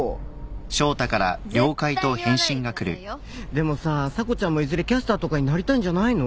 でもさ査子ちゃんもいずれキャスターとかになりたいんじゃないの？